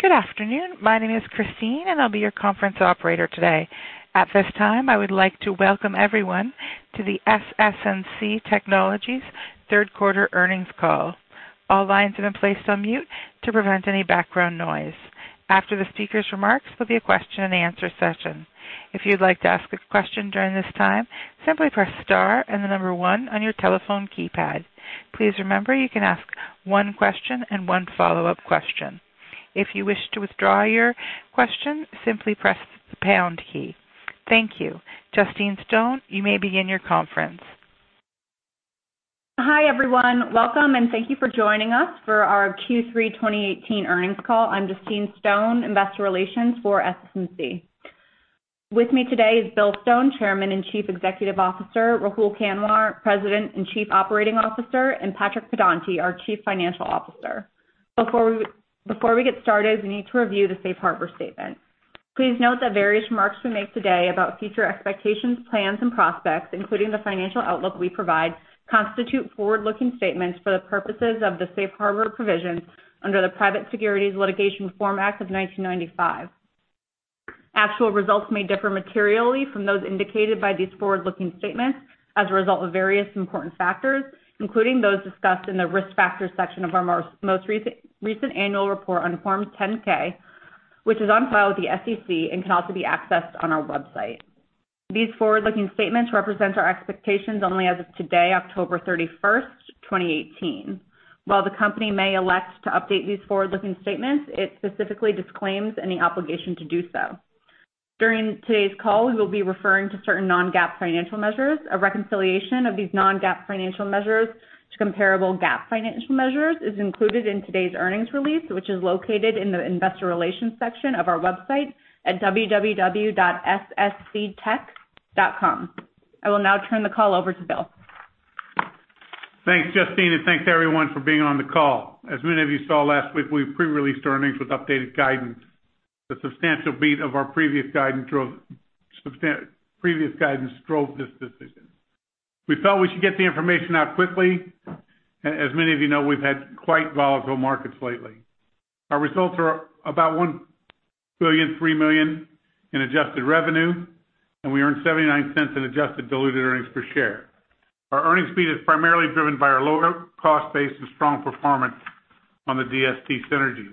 Good afternoon. My name is Christine, and I'll be your conference operator today. At this time, I would like to welcome everyone to the SS&C Technologies third quarter earnings call. All lines have been placed on mute to prevent any background noise. After the speaker's remarks, there'll be a question and answer session. If you'd like to ask a question during this time, simply press star and the number one on your telephone keypad. Please remember, you can ask one question and one follow-up question. If you wish to withdraw your question, simply press the pound key. Thank you. Justine Stone, you may begin your conference. Hi, everyone. Welcome, and thank you for joining us for our Q3 2018 earnings call. I'm Justine Stone, Investor Relations for SS&C. With me today is Bill Stone, Chairman and Chief Executive Officer, Rahul Kanwar, President and Chief Operating Officer, and Patrick Pedonti, our Chief Financial Officer. Before we get started, we need to review the safe harbor statement. Please note that various remarks we make today about future expectations, plans, and prospects, including the financial outlook we provide, constitute forward-looking statements for the purposes of the safe harbor provisions under the Private Securities Litigation Reform Act of 1995. Actual results may differ materially from those indicated by these forward-looking statements as a result of various important factors, including those discussed in the Risk Factors section of our most recent annual report on Form 10-K, which is on file with the SEC and can also be accessed on our website. These forward-looking statements represent our expectations only as of today, October 31st, 2018. While the company may elect to update these forward-looking statements, it specifically disclaims any obligation to do so. During today's call, we will be referring to certain non-GAAP financial measures. A reconciliation of these non-GAAP financial measures to comparable GAAP financial measures is included in today's earnings release, which is located in the investor relations section of our website at www.ssctech.com. I will now turn the call over to Bill. Thanks, Justine, and thanks to everyone for being on the call. As many of you saw last week, we pre-released earnings with updated guidance. The substantial beat of our previous guidance drove this decision. We felt we should get the information out quickly. As many of you know, we've had quite volatile markets lately. Our results are about $1.3 billion in adjusted revenue, and we earned $0.79 in adjusted diluted earnings per share. Our earnings beat is primarily driven by our lower cost base and strong performance on the DST synergy.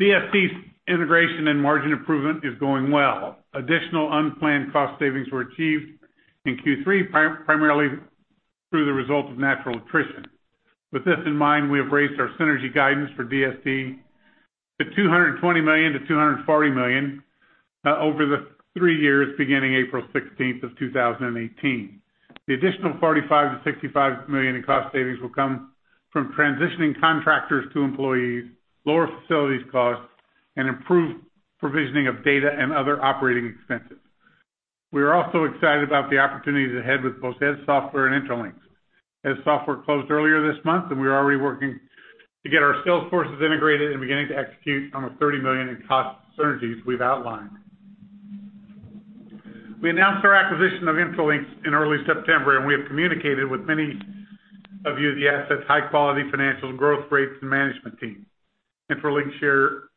DST's integration and margin improvement is going well. Additional unplanned cost savings were achieved in Q3, primarily through the result of natural attrition. With this in mind, we have raised our synergy guidance for DST to $220 million-$240 million over the three years beginning April 16th of 2018. The additional $45 million-$65 million in cost savings will come from transitioning contractors to employees, lower facilities costs, and improved provisioning of data and other operating expenses. We are also excited about the opportunities ahead with both Eze Software and Intralinks. Eze Software closed earlier this month. We're already working to get our sales forces integrated and beginning to execute on the $30 million in cost synergies we've outlined. We announced our acquisition of Intralinks in early September. We have communicated with many of you the asset's high-quality financial growth rates and management team. Intralinks shares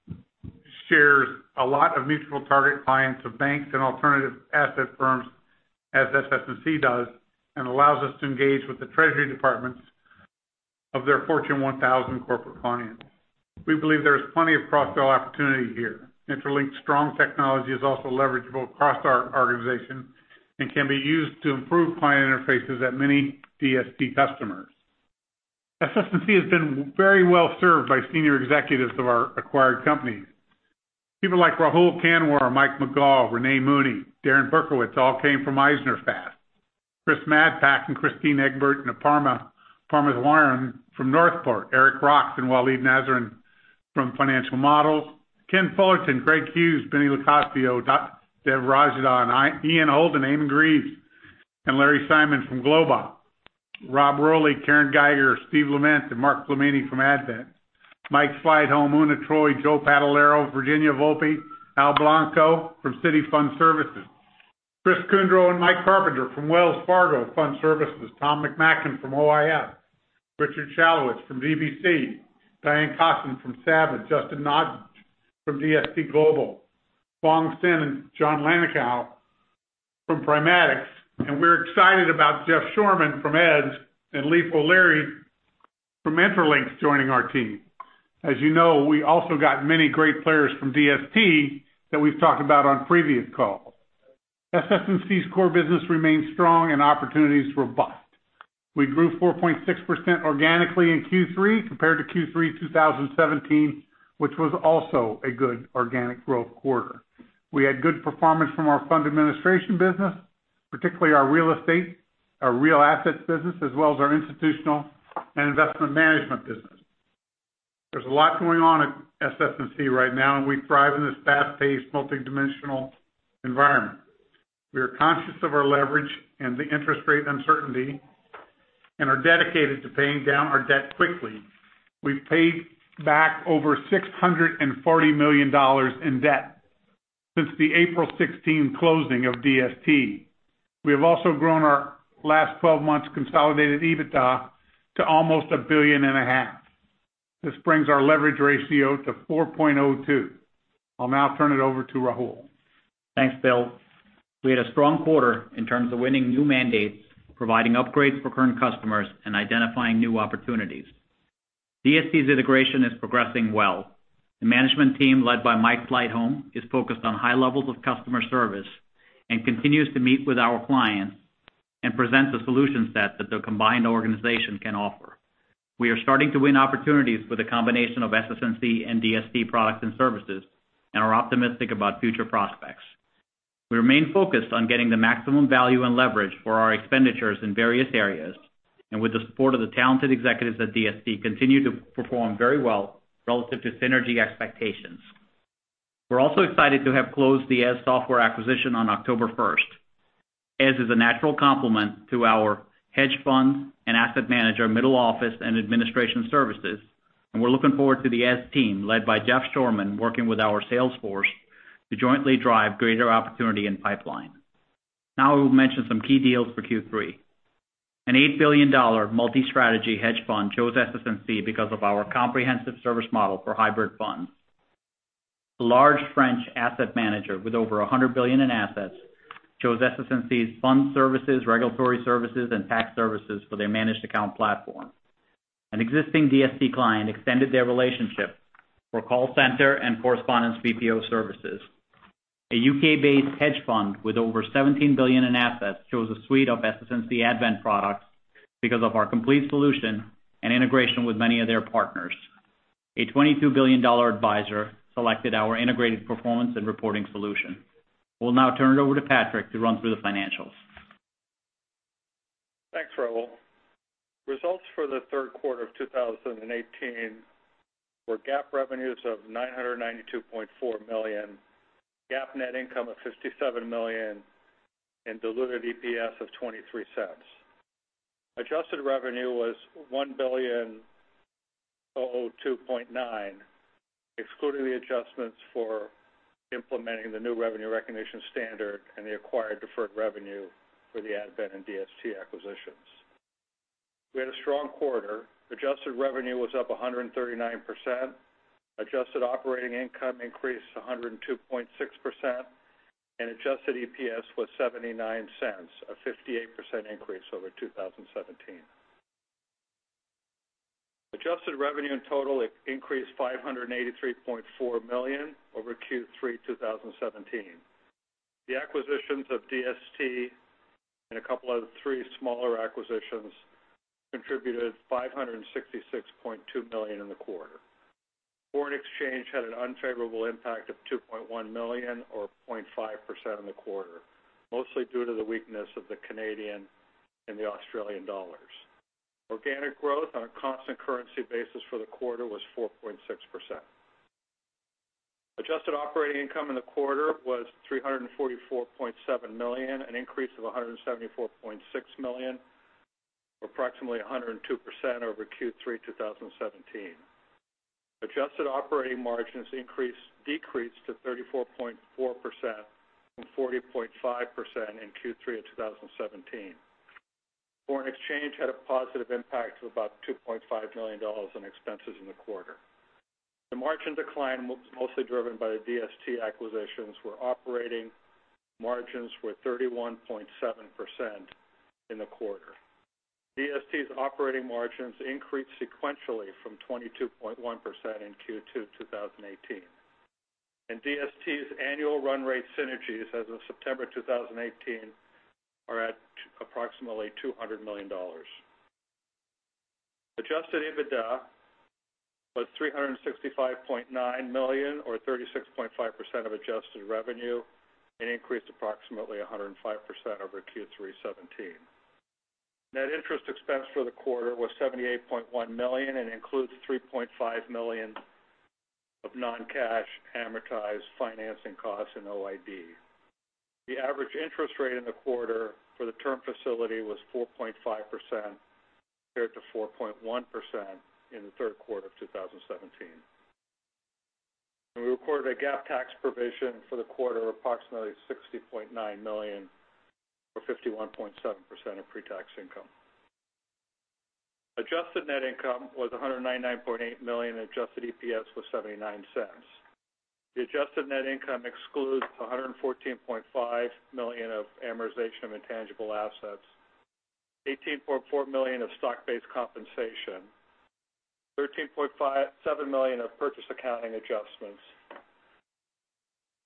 a lot of mutual target clients of banks and alternative asset firms as SS&C does and allows us to engage with the treasury departments of their Fortune 1000 corporate clients. We believe there is plenty of cross-sell opportunity here. Intralinks' strong technology is also leverageable across our organization and can be used to improve client interfaces at many DST customers. SS&C has been very well served by senior executives of our acquired companies. People like Rahul Kanwar, Mike McGaw, Renee Mooney, Darren Berkowicz all came from EisnerAmper. Chris Madpak and Christine Egbert and Aparna Parameswaran from Northport. Eric Rocks and Walid Nassereddine from Financial Models. Ken Fullerton, Greg Hughes, Benny LoCascio, [Dev Rajadan], Ian Holden, Eamonn Greaves, and Larry Simon from GlobeOp. Rob Rowley, Karen Geiger, Steve Leivent, and Mark Flamini from Advent. Mike Sleightholme, Una Troy, Joe Padalero, Virginia Volpe, Al Blanco from Citi Fund Services. Chris Kundro and Mike Carpenter from Wells Fargo Fund Services. Tom McMackin from OFI. Richard Shalowitz from BBC. Diane Kossen from Savage. [Justin Hodge] from DST Global Solutions. Fong Sin and John Lankenau from Primatics. We're excited about Jeff Shoreman from Eze and Lee O'Leary from Intralinks joining our team. As you know, we also got many great players from DST that we've talked about on previous calls. SS&C's core business remains strong and opportunities robust. We grew 4.6% organically in Q3 compared to Q3 2017, which was also a good organic growth quarter. We had good performance from our fund administration business, particularly our real estate, our real assets business, as well as our institutional and investment management business. There's a lot going on at SS&C right now. We thrive in this fast-paced, multidimensional environment. We are conscious of our leverage and the interest rate uncertainty and are dedicated to paying down our debt quickly. We've paid back over $640 million in debt. Since the April 16th closing of DST, we have also grown our last 12 months consolidated EBITDA to almost $1.5 billion. This brings our leverage ratio to 4.02. I'll now turn it over to Rahul. Thanks, Bill. We had a strong quarter in terms of winning new mandates, providing upgrades for current customers, and identifying new opportunities. DST's integration is progressing well. The management team, led by Mike Sleightholme, is focused on high levels of customer service and continues to meet with our clients and present the solution set that the combined organization can offer. We are starting to win opportunities with a combination of SS&C and DST products and services and are optimistic about future prospects. We remain focused on getting the maximum value and leverage for our expenditures in various areas, and with the support of the talented executives at DST, continue to perform very well relative to synergy expectations. We are also excited to have closed the Eze Software acquisition on October 1st. Eze is a natural complement to our hedge fund and asset manager middle office and administration services, and we are looking forward to the Eze team, led by Jeff Shoreman, working with our sales force to jointly drive greater opportunity and pipeline. I will mention some key deals for Q3. An $8 billion multi-strategy hedge fund chose SS&C because of our comprehensive service model for hybrid funds. A large French asset manager with over $100 billion in assets chose SS&C's fund services, regulatory services, and tax services for their managed account platform. An existing DST client extended their relationship for call center and correspondence BPO services. A U.K.-based hedge fund with over $17 billion in assets chose a suite of SS&C Advent products because of our complete solution and integration with many of their partners. A $22 billion advisor selected our integrated performance and reporting solution. We will now turn it over to Patrick to run through the financials. Thanks, Rahul. Results for the third quarter of 2018 were GAAP revenues of $992.4 million, GAAP net income of $57 million, and diluted EPS of $0.23. Adjusted revenue was $1,002.9 million, excluding the adjustments for implementing the new revenue recognition standard and the acquired deferred revenue for the Advent and DST acquisitions. We had a strong quarter. Adjusted revenue was up 139%, adjusted operating income increased to 102.6%, and adjusted EPS was $0.79, a 58% increase over 2017. Adjusted revenue in total increased $583.4 million over Q3 2017. The acquisitions of DST and a couple of three smaller acquisitions contributed $566.2 million in the quarter. Foreign exchange had an unfavorable impact of $2.1 million, or 0.5% in the quarter, mostly due to the weakness of the Canadian and the Australian dollars. Organic growth on a constant currency basis for the quarter was 4.6%. Adjusted operating income in the quarter was $344.7 million, an increase of $174.6 million or approximately 102% over Q3 2017. Adjusted operating margins decreased to 34.4% from 40.5% in Q3 of 2017. Foreign exchange had a positive impact of about $2.5 million in expenses in the quarter. The margin decline was mostly driven by the DST acquisitions, where operating margins were 31.7% in the quarter. DST's operating margins increased sequentially from 22.1% in Q2 2018. DST's annual run rate synergies as of September 2018 are at approximately $200 million. Adjusted EBITDA was $365.9 million or 36.5% of adjusted revenue and increased approximately 105% over Q3 2017. Net interest expense for the quarter was $78.1 million and includes $3.5 million of non-cash amortized financing costs and OID. The average interest rate in the quarter for the term facility was 4.5%, compared to 4.1% in the third quarter of 2017. We recorded a GAAP tax provision for the quarter of approximately $60.9 million or 51.7% of pre-tax income. Adjusted net income was $199.8 million, adjusted EPS was $0.79. The adjusted net income excludes $114.5 million of amortization of intangible assets, $18.4 million of stock-based compensation, $13.7 million of purchase accounting adjustments,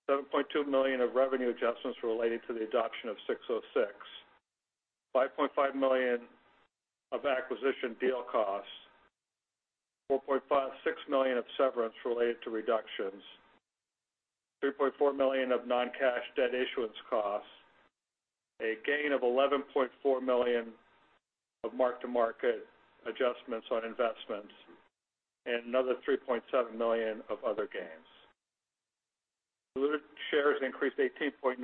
$7.2 million of revenue adjustments related to the adoption of ASC 606, $5.5 million of acquisition deal costs, $4.6 million of severance related to reductions, $3.4 million of non-cash debt issuance costs, a gain of $11.4 million of mark-to-market adjustments on investments, and another $3.7 million of other gains. Diluted shares increased 18.9%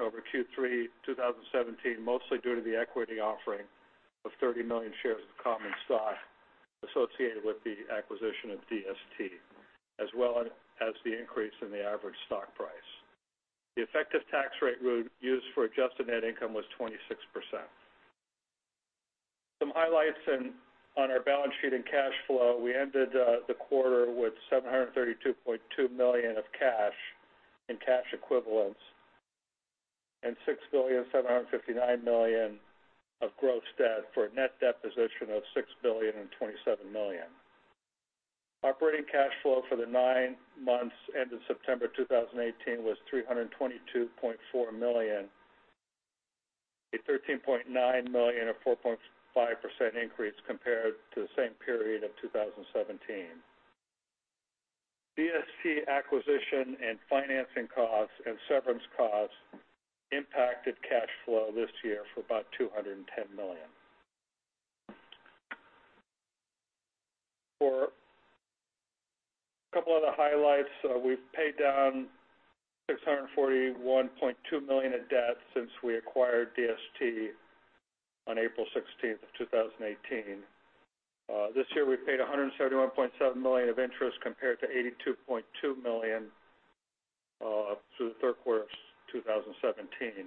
over Q3 2017, mostly due to the equity offering of 30 million shares of common stock. Associated with the acquisition of DST, as well as the increase in the average stock price. The effective tax rate we used for adjusted net income was 26%. Some highlights on our balance sheet and cash flow, we ended the quarter with $732.2 million of cash and cash equivalents and $6.759 billion of gross debt for a net debt position of $6.027 billion. Operating cash flow for the nine months ended September 2018 was $322.4 million, a $13.9 million or 4.5% increase compared to the same period of 2017. DST acquisition and financing costs and severance costs impacted cash flow this year for about $210 million. For a couple other highlights, we've paid down $641.2 million of debt since we acquired DST on April 16th of 2018. This year, we paid $171.7 million of interest compared to $82.2 million through the third quarter of 2017.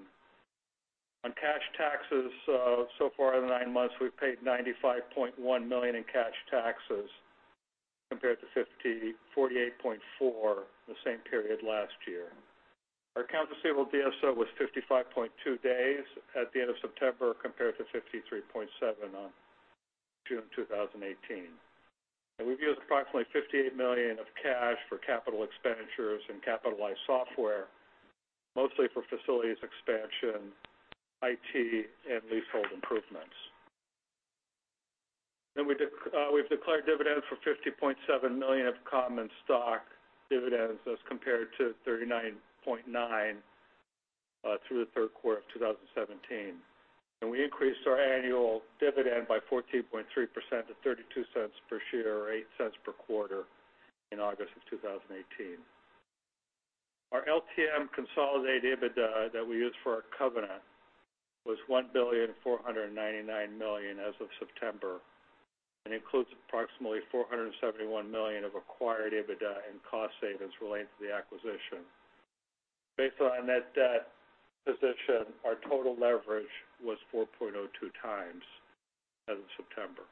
On cash taxes, so far in the nine months, we've paid $95.1 million in cash taxes compared to $48.4 million the same period last year. Our accounts receivable DSO was 55.2 days at the end of September compared to 53.7 days on June 2018. We've used approximately $58 million of cash for capital expenditures and capitalized software, mostly for facilities expansion, IT, and leasehold improvements. We've declared dividends for $50.7 million of common stock dividends as compared to $39.9 million through the third quarter of 2017. We increased our annual dividend by 14.3% to $0.32 per share or $0.08 per quarter in August of 2018. Our LTM consolidated EBITDA that we used for our covenant was $1.499 billion as of September and includes approximately $471 million of acquired EBITDA and cost savings relating to the acquisition. Based on net debt position, our total leverage was 4.02 times as of September.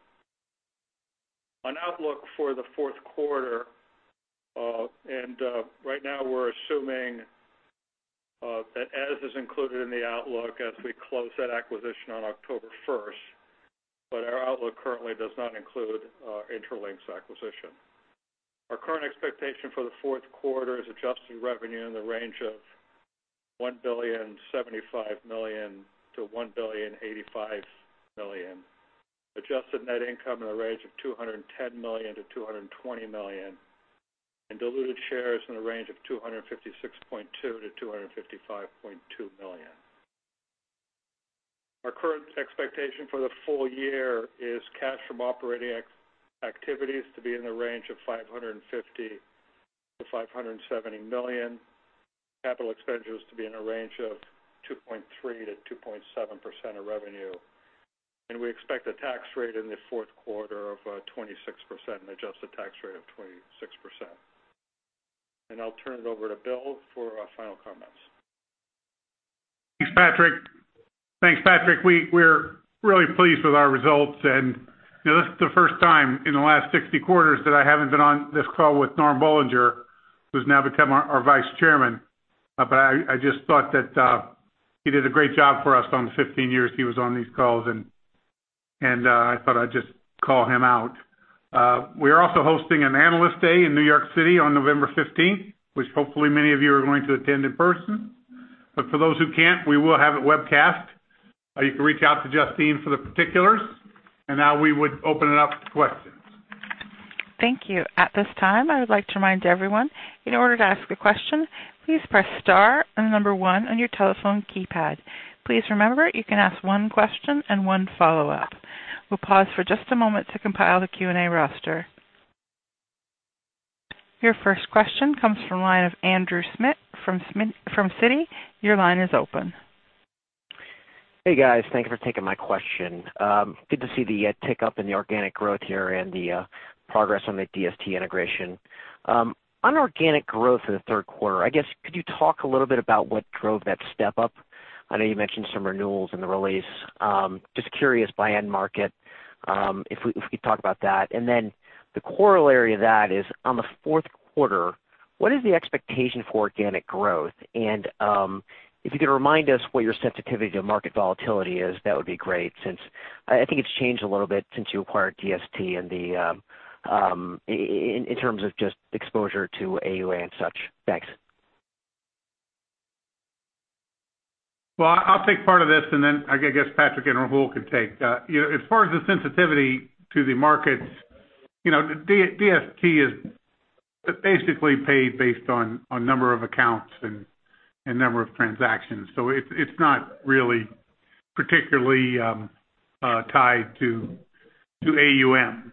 On outlook for the fourth quarter, right now we're assuming that as is included in the outlook, as we close that acquisition on October 1st, our outlook currently does not include Intralinks acquisition. Our current expectation for the fourth quarter is adjusted revenue in the range of $1,075,000,000 to $1,085,000,000. Adjusted net income in a range of $210 million to $220 million, diluted shares in the range of 256.2 million to 255.2 million. Our current expectation for the full year is cash from operating activities to be in the range of $550 million to $570 million. Capital expenditures to be in a range of 2.3% to 2.7% of revenue. We expect a tax rate in the fourth quarter of 26% and adjusted tax rate of 26%. I'll turn it over to Bill for our final comments. Thanks, Patrick. We're really pleased with our results, this is the first time in the last 60 quarters that I haven't been on this call with Norm Boulanger, who's now become our Vice Chairman. I just thought that he did a great job for us on the 15 years he was on these calls, I thought I'd just call him out. We are also hosting an Analyst Day in New York City on November 15th, which hopefully many of you are going to attend in person. For those who can't, we will have it webcast. You can reach out to Justine for the particulars. Now we would open it up to questions. Thank you. At this time, I would like to remind everyone, in order to ask a question, please press star and the number 1 on your telephone keypad. Please remember, you can ask one question and one follow-up. We'll pause for just a moment to compile the Q&A roster. Your first question comes from line of Andrew Schmidt from Citi. Your line is open. Hey, guys. Thank you for taking my question. Good to see the tick-up in the organic growth here and the progress on the DST integration. On organic growth in the third quarter, I guess could you talk a little bit about what drove that step up? I know you mentioned some renewals in the release. Just curious by end market, if we could talk about that. Then the corollary of that is on the fourth quarter, what is the expectation for organic growth? If you could remind us what your sensitivity to market volatility is, that would be great since I think it's changed a little bit since you acquired DST in terms of just exposure to AUA and such. Thanks. Well, I'll take part of this and then I guess Patrick and Rahul can take. As far as the sensitivity to the markets, DST is basically paid based on number of accounts and number of transactions. It's not really particularly tied to AUM.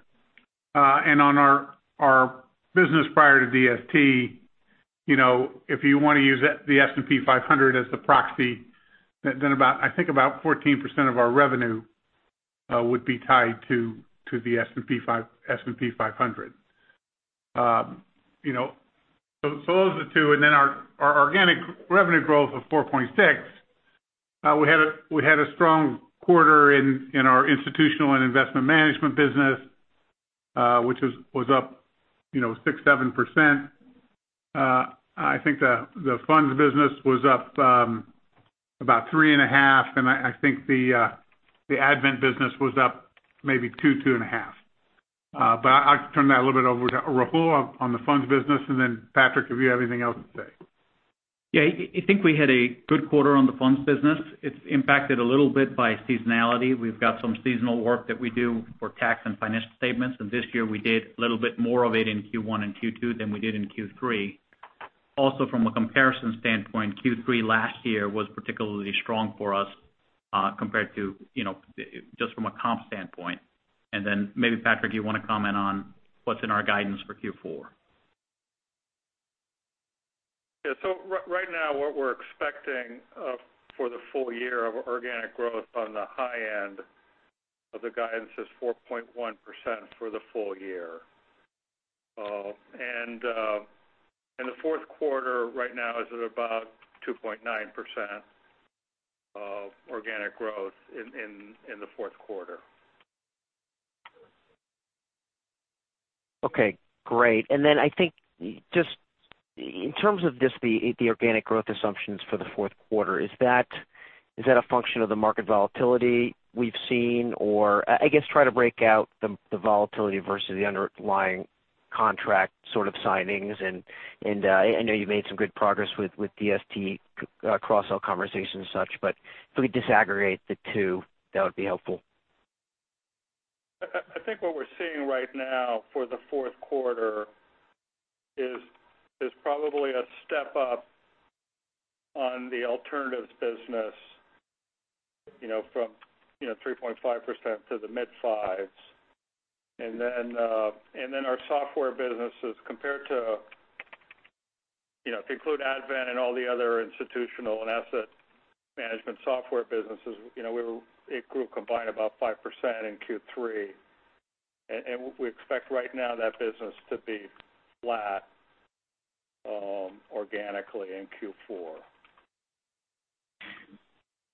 On our business prior to DST, if you want to use the S&P 500 as the proxy, then I think about 14% of our revenue would be tied to the S&P 500. Those are the two, and then our organic revenue growth of 4.6%. We had a strong quarter in our institutional and investment management business, which was up 6%-7%. I think the funds business was up about 3.5%, and I think the Advent business was up maybe 2%-2.5%. I'll turn that a little bit over to Rahul on the funds business, and then Patrick, if you have anything else to say. I think we had a good quarter on the funds business. It's impacted a little bit by seasonality. We've got some seasonal work that we do for tax and financial statements, and this year we did a little bit more of it in Q1 and Q2 than we did in Q3. Also, from a comparison standpoint, Q3 last year was particularly strong for us compared to just from a comp standpoint. Maybe Patrick, you want to comment on what's in our guidance for Q4? Right now, what we're expecting for the full year of organic growth on the high end of the guidance is 4.1% for the full year. The fourth quarter right now is at about 2.9% of organic growth in the fourth quarter. Okay, great. I think just in terms of just the organic growth assumptions for the fourth quarter, is that a function of the market volatility we've seen, or I guess try to break out the volatility versus the underlying contract sort of signings and I know you've made some good progress with DST cross-sell conversations and such, but if we disaggregate the two, that would be helpful. I think what we're seeing right now for the fourth quarter is probably a step up on the alternatives business from 3.5% to the mid fives. Our software businesses compared to include Advent and all the other institutional and asset management software businesses, it grew combined about 5% in Q3. We expect right now that business to be flat organically in Q4.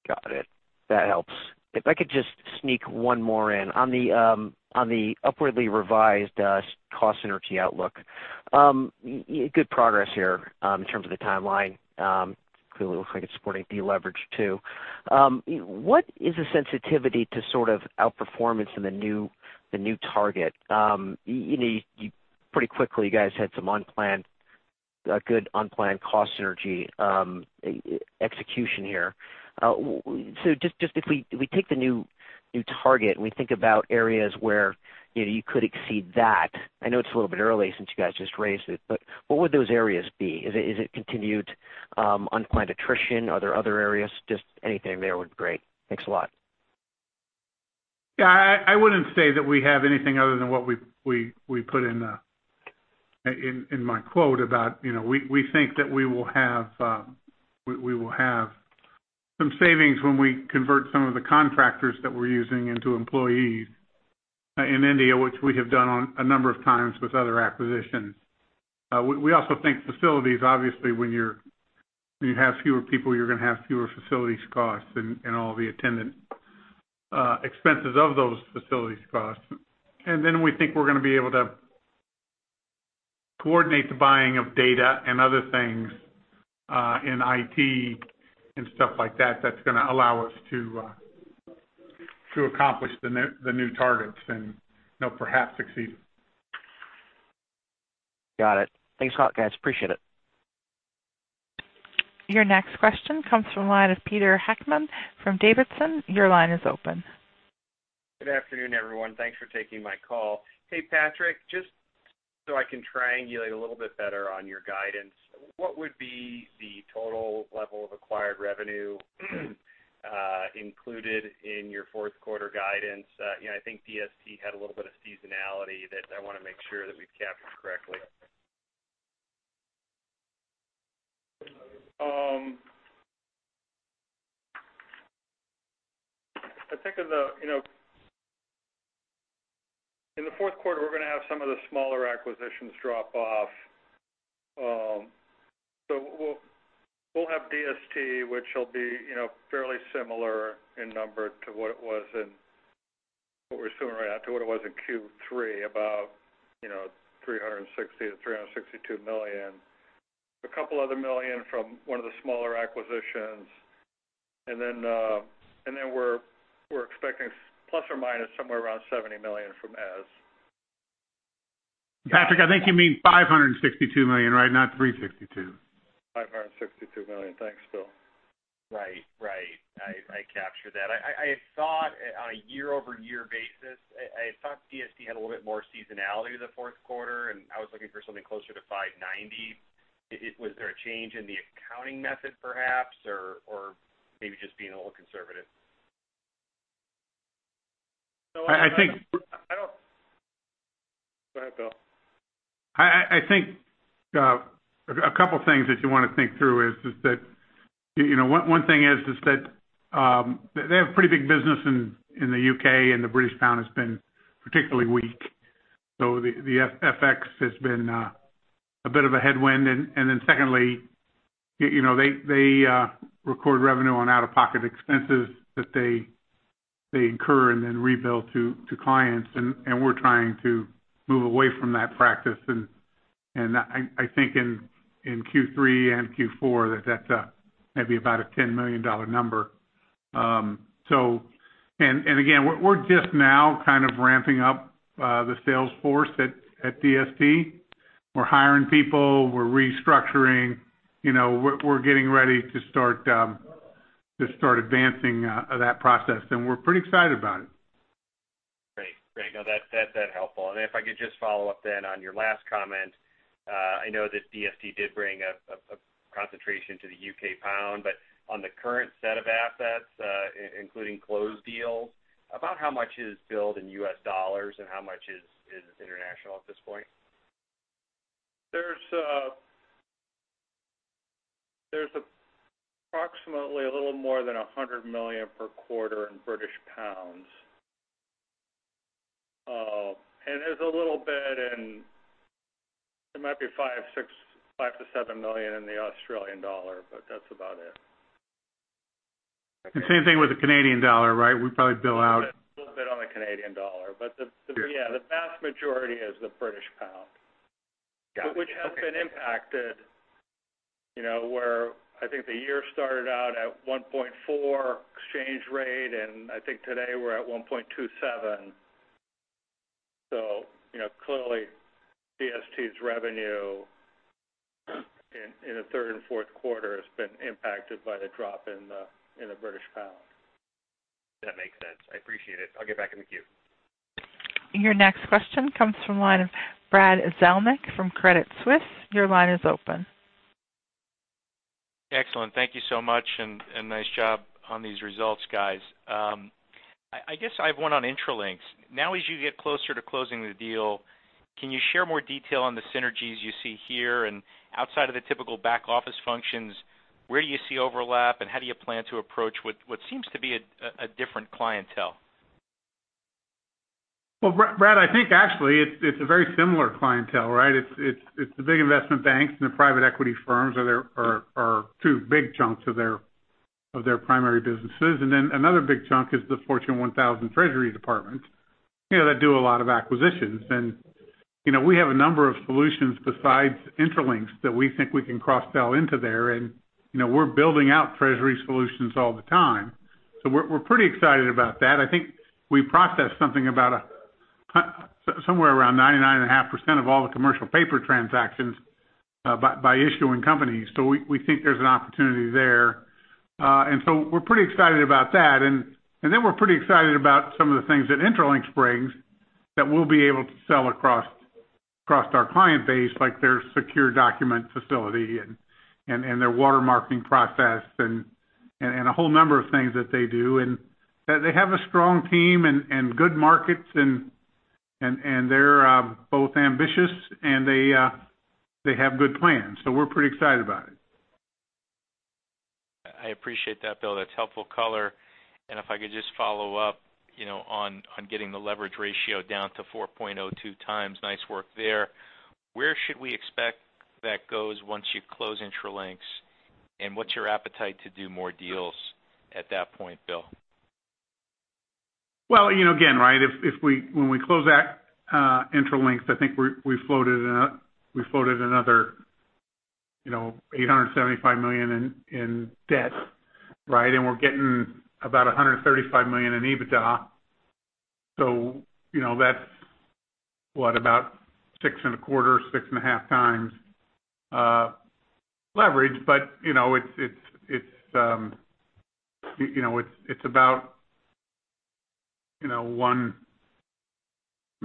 Got it. That helps. If I could just sneak one more in. On the upwardly revised cost synergy outlook. Good progress here in terms of the timeline. Clearly looks like it's supporting de-leverage too. What is the sensitivity to sort of outperformance in the new target? Pretty quickly, you guys had some good unplanned cost synergy execution here. Just if we take the new target and we think about areas where you could exceed that, I know it's a little bit early since you guys just raised it, but what would those areas be? Is it continued unplanned attrition? Are there other areas? Just anything there would be great. Thanks a lot. Yeah, I wouldn't say that we have anything other than what we put in my quote about we think that we will have some savings when we convert some of the contractors that we're using into employees in India, which we have done on a number of times with other acquisitions. We also think facilities, obviously, when you have fewer people, you're going to have fewer facilities costs and all the attendant expenses of those facilities costs. We think we're going to be able to coordinate the buying of data and other things in IT and stuff like that's going to allow us to accomplish the new targets and perhaps exceed them. Got it. Thanks a lot, guys. Appreciate it. Your next question comes from the line of Peter Heckmann from Davidson. Your line is open. Good afternoon, everyone. Thanks for taking my call. Hey, Patrick, just so I can triangulate a little bit better on your guidance, what would be the total level of acquired revenue included in your fourth quarter guidance? I think DST had a little bit of seasonality that I want to make sure that we've captured correctly. In the fourth quarter, we're going to have some of the smaller acquisitions drop off. We'll have DST, which will be fairly similar in number to what it was in what we're assuming right now to what it was in Q3, about $360 million-$362 million. A couple other million from one of the smaller acquisitions. Then we're expecting plus or minus somewhere around $70 million from Eze. Patrick, I think you mean $562 million, right? Not 362. $562 million. Thanks, Bill. Right. I captured that. I thought on a year-over-year basis, I thought DST had a little bit more seasonality in the fourth quarter, and I was looking for something closer to 590. Was there a change in the accounting method perhaps, or maybe just being a little conservative? I think. Go ahead, Bill. I think a couple things that you want to think through is that one thing is that they have pretty big business in the U.K. The British pound has been particularly weak. The FX has been a bit of a headwind. Secondly, they record revenue on out-of-pocket expenses that they incur and then rebuild to clients, and we're trying to move away from that practice. I think in Q3 and Q4 that's maybe about a $10 million number. Again, we're just now kind of ramping up the sales force at DST. We're hiring people, we're restructuring. We're getting ready to start advancing that process. We're pretty excited about it. Great. No, that's helpful. If I could just follow up then on your last comment. I know that DST did bring a concentration to the U.K. pound, but on the current set of assets, including closed deals, about how much is billed in U.S. dollars and how much is international at this point? There's approximately a little more than 100 million per quarter in British pounds. There's a little bit in, it might be 5 million-7 million in the Australian dollar, but that's about it. Okay. Same thing with the Canadian dollar, right? We probably A little bit on the Canadian dollar. Sure. yeah, the vast majority is the British pound. Got it. Okay. Which has been impacted, where I think the year started out at 1.4 exchange rate, and I think today we're at 1.27. Clearly, DST's revenue in the third and fourth quarter has been impacted by the drop in the British pound. That makes sense. I appreciate it. I'll get back in the queue. Your next question comes from the line of Brad Zelnick from Credit Suisse. Your line is open. Excellent. Thank you so much, and nice job on these results, guys. I guess I have one on Intralinks. Now as you get closer to closing the deal, can you share more detail on the synergies you see here, and outside of the typical back office functions, where do you see overlap, and how do you plan to approach what seems to be a different clientele? Well, Brad, I think actually it's a very similar clientele, right? It's the big investment banks and the private equity firms are two big chunks of their primary businesses. Another big chunk is the Fortune 1000 treasury departments that do a lot of acquisitions. We have a number of solutions besides Intralinks that we think we can cross-sell into there. We're building out treasury solutions all the time. We're pretty excited about that. I think we process something about somewhere around 99.5% of all the commercial paper transactions by issuing companies. We think there's an opportunity there. We're pretty excited about that. We're pretty excited about some of the things that Intralinks brings that we'll be able to sell across our client base, like their secure document facility and their watermarking process and a whole number of things that they do. They have a strong team and good markets, and they're both ambitious, and they have good plans. We're pretty excited about it. I appreciate that, Bill. That's helpful color. If I could just follow up on getting the leverage ratio down to 4.02 times. Nice work there. Where should we expect that goes once you close Intralinks, and what's your appetite to do more deals at that point, Bill? Again, right, when we close that Intralinks, I think we floated another $875 million in debt, right? We're getting about $135 million in EBITDA. That's what? About six and a quarter, six and a half times leverage. It's about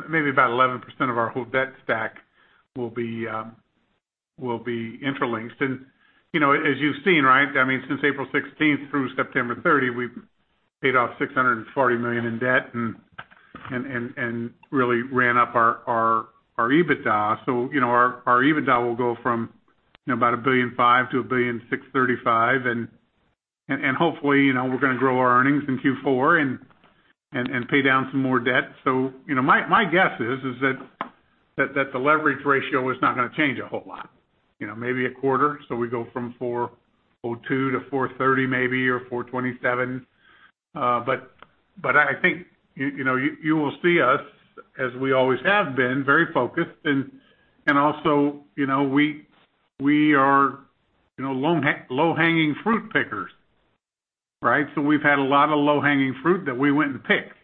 maybe about 11% of our whole debt stack will be Intralinks. As you've seen, right, since April 16th through September 30, we've paid off $640 million in debt and really ran up our EBITDA. Our EBITDA will go from about $1.5 billion to $1.635 billion. Hopefully, we're going to grow our earnings in Q4 and pay down some more debt. My guess is that the leverage ratio is not going to change a whole lot. Maybe a quarter. We go from 4.02-4.30 maybe, or 4.27. I think you will see us, as we always have been, very focused. Also, we are low-hanging fruit pickers, right? We've had a lot of low-hanging fruit that we went and picked.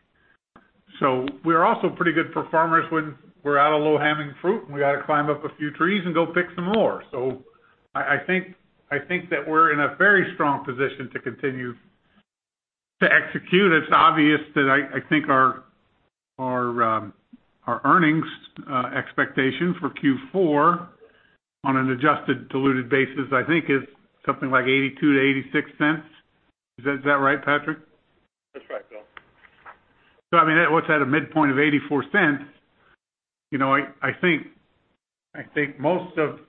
We're also pretty good performers when we're out of low-hanging fruit, and we got to climb up a few trees and go pick some more. I think that we're in a very strong position to continue to execute. It's obvious that I think our earnings expectations for Q4 on an adjusted diluted basis, I think is something like $0.82-$0.86. Is that right, Patrick? That's right, Bill. I mean, what's that, a midpoint of $0.84? I think most of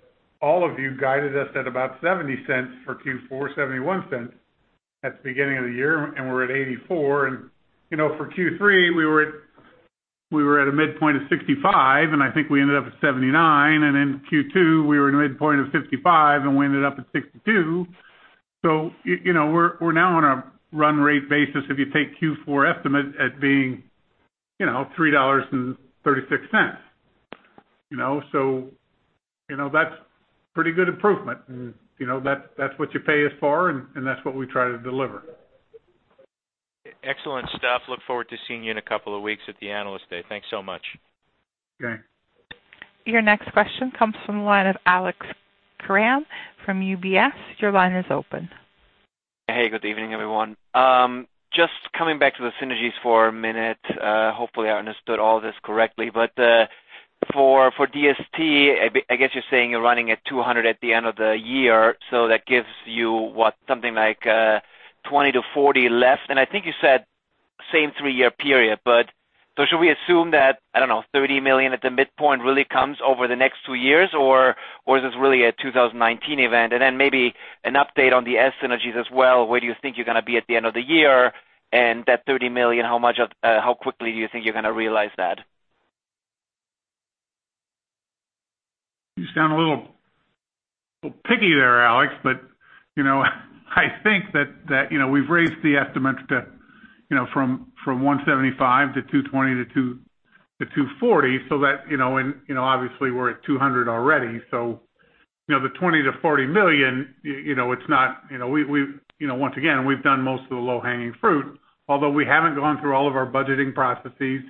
all of you guided us at about $0.70 for Q4, $0.71 at the beginning of the year, we're at $0.84. For Q3 we were at a midpoint of $0.65, I think we ended up at $0.79. Then Q2, we were at a midpoint of $0.55, we ended up at $0.62. We're now on a run rate basis, if you take Q4 estimate at being $3.36. That's pretty good improvement, that's what you pay us for, that's what we try to deliver. Excellent stuff. Look forward to seeing you in a couple of weeks at the Analyst Day. Thanks so much. Okay. Your next question comes from the line of Alex Kramm from UBS. Your line is open. Hey, good evening, everyone. Just coming back to the synergies for a minute. Hopefully, I understood all this correctly. For DST, I guess you're saying you're running at $200 million at the end of the year, that gives you, what, something like $20 million to $40 million left. I think you said same three-year period. Should we assume that, I don't know, $30 million at the midpoint really comes over the next two years? Or is this really a 2019 event? Maybe an update on the SS&C synergies as well. Where do you think you're going to be at the end of the year? That $30 million, how quickly do you think you're going to realize that? You sound a little picky there, Alex Kramm. I think that we've raised the estimates from $175 million to $220 million to $240 million. Obviously we're at $200 million already. The $20 million to $40 million, once again, we've done most of the low-hanging fruit, although we haven't gone through all of our budgeting processes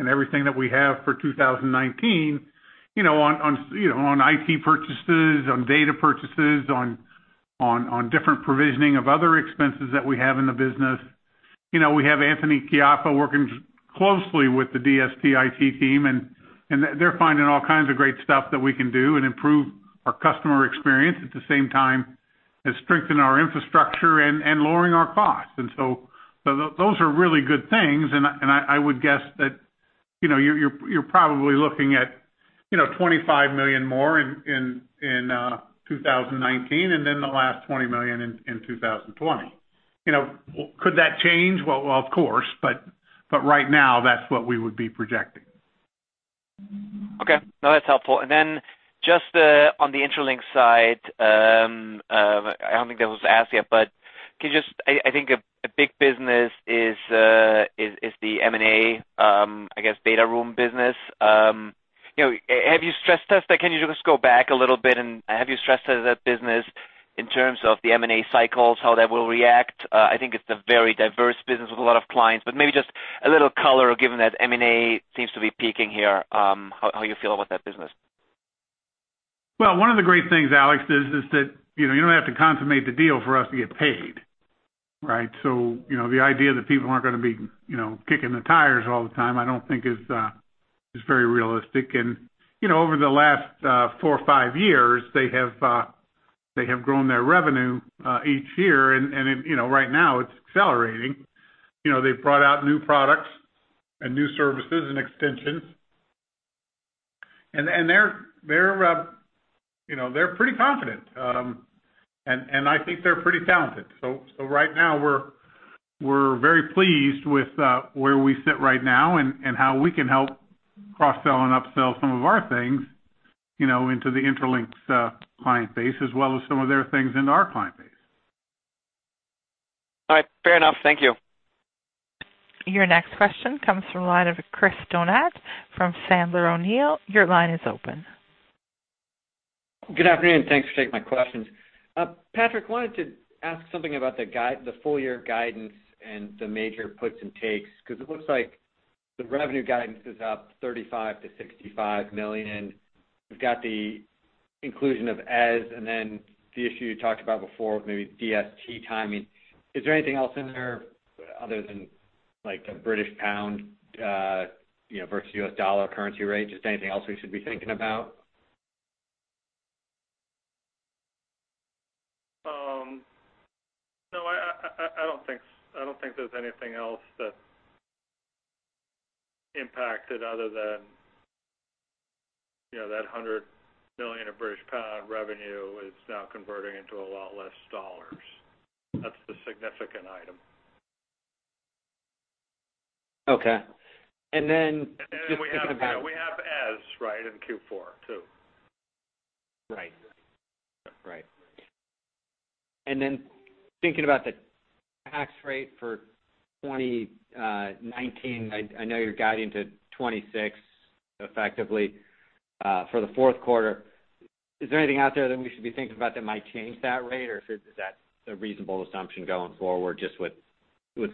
and everything that we have for 2019 on IT purchases, on data purchases, on different provisioning of other expenses that we have in the business. We have Anthony Chiozza working closely with the DST IT team. They're finding all kinds of great stuff that we can do and improve our customer experience, at the same time as strengthening our infrastructure and lowering our costs. Those are really good things. I would guess that you're probably looking at $25 million more in 2019 and then the last $20 million in 2020. Could that change? Well, of course. Right now that's what we would be projecting. Okay. No, that's helpful. Just on the Intralinks side, I don't think that was asked yet. I think a big business is the M&A, I guess, data room business. Have you stress-tested? Can you just go back a little bit? Have you stress-tested that business in terms of the M&A cycles, how that will react? I think it's a very diverse business with a lot of clients. Maybe just a little color given that M&A seems to be peaking here, how you feel about that business. Well, one of the great things, Alex, is that you don't have to consummate the deal for us to get paid. Right? The idea that people aren't going to be kicking the tires all the time, I don't think is very realistic. Over the last four or five years, they have grown their revenue each year, and right now it's accelerating. They've brought out new products and new services and extensions. They're pretty confident. I think they're pretty talented. Right now we're very pleased with where we sit right now and how we can help cross-sell and upsell some of our things into the Intralinks client base, as well as some of their things into our client base. All right. Fair enough. Thank you. Your next question comes from the line of Chris Donat from Sandler O'Neill. Your line is open. Good afternoon. Thanks for taking my questions. Patrick, I wanted to ask something about the full-year guidance and the major puts and takes, it looks like the revenue guidance is up $35 million-$65 million. We've got the inclusion of ES, and then the issue you talked about before with maybe DST timing. Is there anything else in there other than the British pound versus U.S. dollar currency rate? Just anything else we should be thinking about? No, I don't think there's anything else that impacted other than that 100 million of British pound revenue is now converting into a lot less dollars. That's the significant item. Okay. We have Eze, right, in Q4 too. Right. Thinking about the tax rate for 2019, I know you're guiding to 26% effectively for the fourth quarter. Is there anything out there that we should be thinking about that might change that rate, or is that a reasonable assumption going forward, just with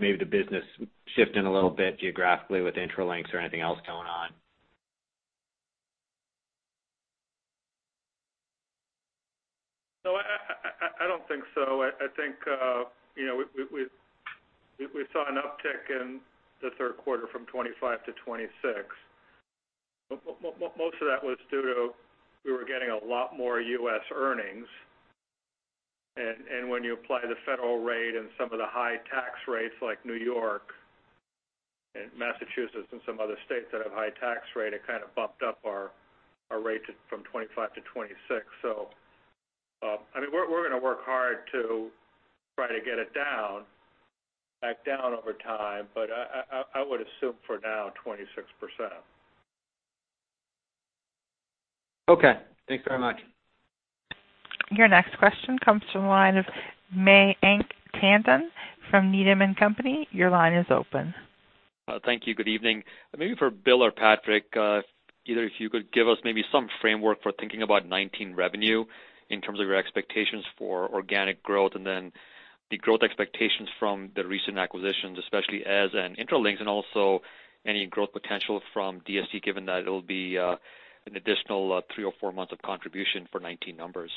maybe the business shifting a little bit geographically with Intralinks or anything else going on? No, I don't think so. I think we saw an uptick in the third quarter from 25% to 26%. Most of that was due to, we were getting a lot more U.S. earnings. When you apply the federal rate and some of the high tax rates like New York and Massachusetts and some other states that have high tax rate, it kind of bumped up our rate from 25% to 26%. We're going to work hard to try to get it back down over time, but I would assume for now, 26%. Okay, thanks very much. Your next question comes from the line of Mayank Tandon from Needham & Company. Your line is open. Thank you. Good evening. Maybe for Bill or Patrick, either if you could give us maybe some framework for thinking about 2019 revenue in terms of your expectations for organic growth and then the growth expectations from the recent acquisitions, especially as an Intralinks and also any growth potential from DST given that it will be an additional three or four months of contribution for 2019 numbers.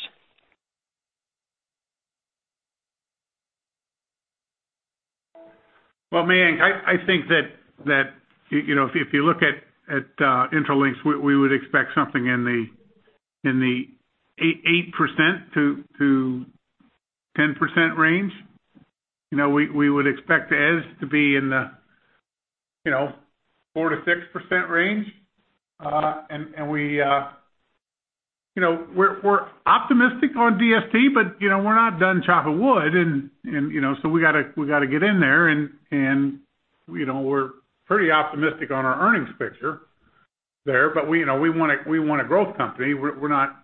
Well, Mayank, I think that if you look at Intralinks, we would expect something in the 8%-10% range. We would expect Eze to be in the 4%-6% range. We're optimistic on DST, but we're not done chopping wood, so we got to get in there, and we're pretty optimistic on our earnings picture there. We want a growth company. We're not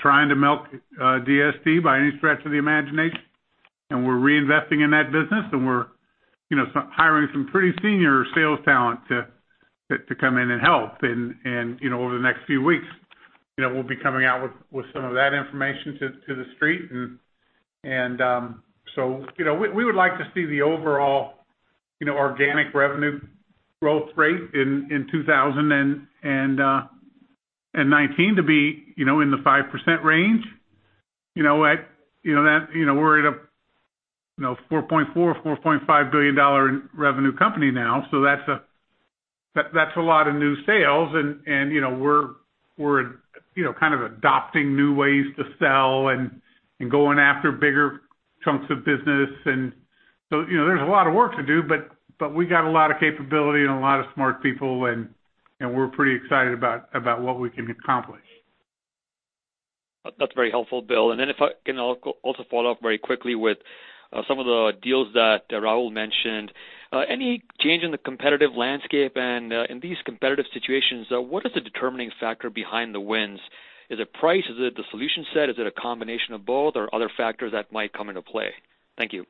trying to milk DST by any stretch of the imagination. We're reinvesting in that business, and we're hiring some pretty senior sales talent to come in and help. Over the next few weeks, we'll be coming out with some of that information to the street. We would like to see the overall organic revenue growth rate in 2019 to be in the 5% range. We're at a $4.4 or $4.5 billion revenue company now. That's a lot of new sales, and we're kind of adopting new ways to sell and going after bigger chunks of business. There's a lot of work to do, but we got a lot of capability and a lot of smart people and we're pretty excited about what we can accomplish. That's very helpful, Bill. If I can also follow up very quickly with some of the deals that Rahul mentioned. Any change in the competitive landscape and in these competitive situations, what is the determining factor behind the wins? Is it price? Is it the solution set? Is it a combination of both or other factors that might come into play? Thank you.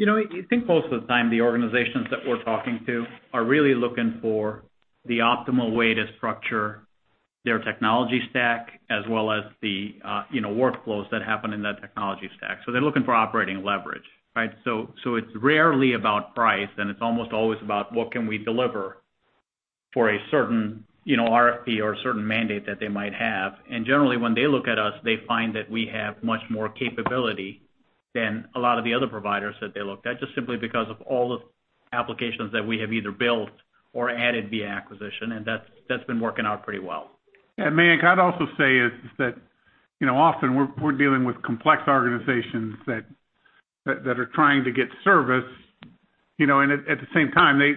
I think most of the time, the organizations that we're talking to are really looking for the optimal way to structure their technology stack as well as the workflows that happen in that technology stack. They're looking for operating leverage, right? It's rarely about price, and it's almost always about what can we deliver for a certain RFP or a certain mandate that they might have. Generally, when they look at us, they find that we have much more capability than a lot of the other providers that they look at, just simply because of all the applications that we have either built or added via acquisition. That's been working out pretty well. Mayank, I'd also say is that, often we're dealing with complex organizations that are trying to get service, and at the same time, they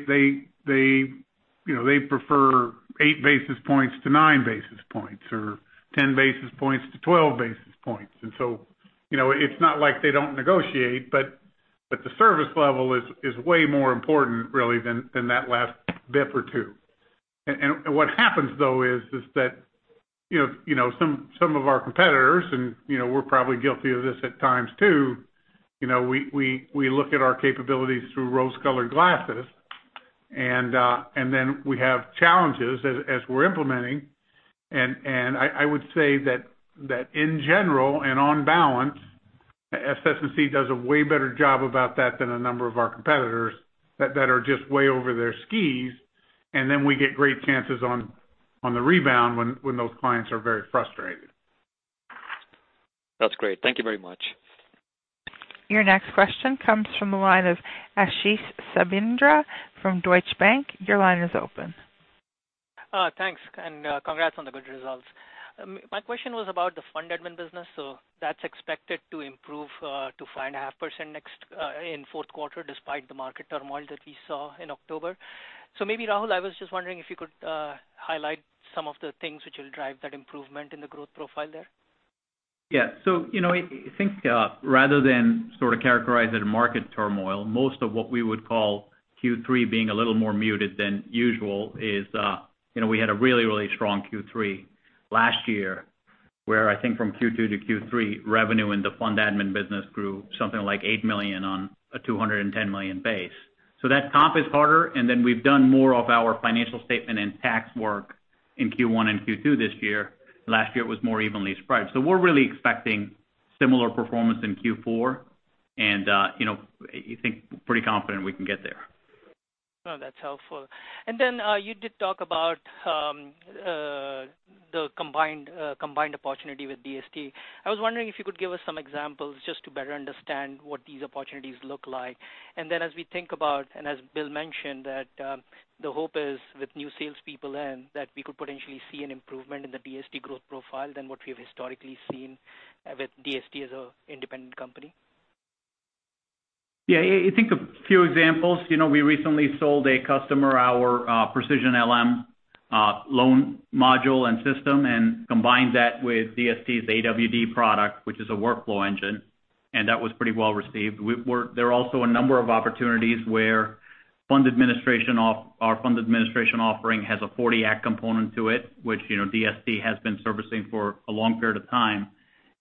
prefer eight basis points to nine basis points, or 10 basis points to 12 basis points. It's not like they don't negotiate, but the service level is way more important, really, than that last bit for two. What happens, though, is that some of our competitors, and we're probably guilty of this at times too, we look at our capabilities through rose-colored glasses. Then we have challenges as we're implementing. I would say that in general and on balance, SS&C does a way better job about that than a number of our competitors that are just way over their skis. Then we get great chances on the rebound when those clients are very frustrated. That's great. Thank you very much. Your next question comes from the line of Ashish Sabadra from Deutsche Bank. Your line is open. Thanks, congrats on the good results. My question was about the fund admin business. That's expected to improve to 5.5% in fourth quarter, despite the market turmoil that we saw in October. Maybe Rahul, I was just wondering if you could highlight some of the things which will drive that improvement in the growth profile there. Yeah. I think rather than sort of characterize it as market turmoil, most of what we would call Q3 being a little more muted than usual is, we had a really strong Q3 last year, where I think from Q2 to Q3 revenue in the fund admin business grew something like $8 million on a $210 million base. That comp is harder, and then we've done more of our financial statement and tax work in Q1 and Q2 this year. Last year, it was more evenly spread. We're really expecting similar performance in Q4, and I think pretty confident we can get there. Oh, that's helpful. You did talk about the combined opportunity with DST. I was wondering if you could give us some examples just to better understand what these opportunities look like. As we think about, as Bill mentioned, that the hope is with new salespeople in, that we could potentially see an improvement in the DST growth profile than what we've historically seen with DST as an independent company. Yeah. I think a few examples. We recently sold a customer our Precision LM loan module and system and combined that with DST's AWD product, which is a workflow engine, and that was pretty well-received. There are also a number of opportunities where our fund administration offering has a 40-act component to it, which DST has been servicing for a long period of time.